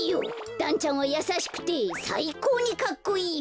だんちゃんはやさしくてさいこうにかっこいいよ。